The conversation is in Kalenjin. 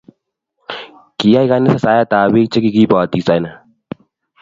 Kiyay kanisa saet ab biik chikikibatisani